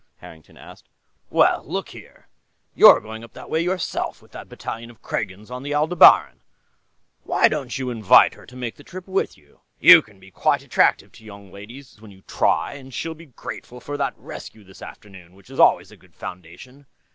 Harrington asked. "Well, look here; you're going up that way, yourself, with that battalion of Kragans, on the Aldebaran. Why don't you invite her to make the trip with you? You can be quite attractive to young ladies, when you try, and she'll be grateful for that rescue this afternoon, which is always a good foundation.